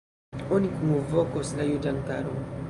Oni kunvokos la juĝantaron.